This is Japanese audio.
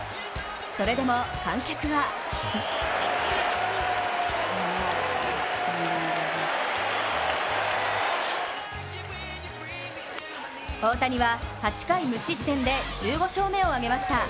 それでも観客は大谷は８回無失点で１５勝目を挙げました。